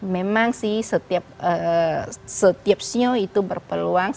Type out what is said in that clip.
memang sih setiap sio itu berpeluang